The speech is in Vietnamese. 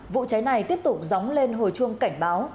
vụ cháy này tiếp tục dóng lên hồi chuông cảnh báo